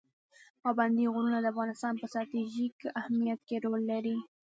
پابندی غرونه د افغانستان په ستراتیژیک اهمیت کې رول لري.